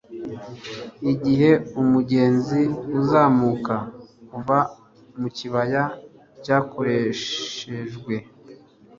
igihe, mumugenzi uzamuka, kuva mukibaya cyakoreshejwe